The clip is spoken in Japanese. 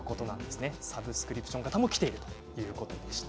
サブスクリプション型もきているということでした。